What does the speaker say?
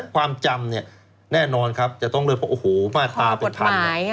ความจำเนี่ยแน่นอนครับจะต้องเรียกว่าโอ้โหมาตราเป็นพัน